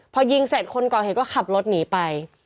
พอยิงเสร็จคนก่อเหตุก็ขับรถหนีไป